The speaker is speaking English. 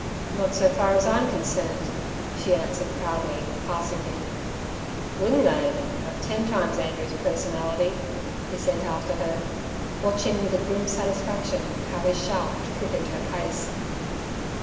'Not so far as I'm concerned' she answered proudly, passing him. 'Wouldn't they? I've ten times Andrew's personality' he sent after her, watching with a grim satisfaction how his shaft quickened her pace.